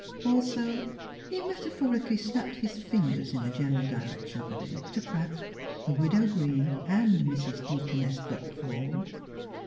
Also, he metaphorically snapped his fingers in the general direc tion of Electa Pratt, the Widow Green — and Mrs. Deaconess Buckthorn.